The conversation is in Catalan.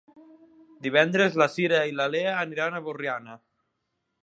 Divendres na Cira i na Lea aniran a Borriana.